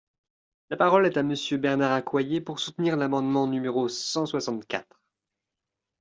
La parole est à Monsieur Bernard Accoyer, pour soutenir l’amendement numéro cent soixante-quatre.